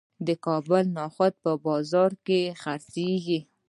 د کابل نخود په بازار کې خرڅیږي.